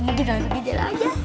mungkin langsung di jalan aja